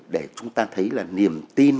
để chúng ta thấy là niềm tin